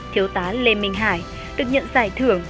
thiếu tá lê minh hải được nhận giải thưởng